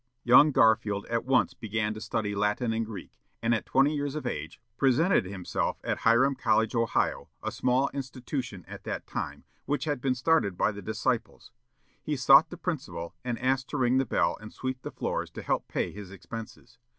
Young Garfield at once began to study Latin and Greek, and at twenty years of age presented himself at Hiram College, Ohio, a small institution at that time, which had been started by the "Disciples." He sought the principal, and asked to ring the bell and sweep the floors to help pay his expenses.